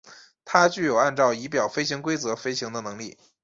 它具有按照仪表飞行规则飞行的能力。